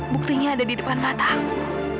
buktinya ada di depan mata aku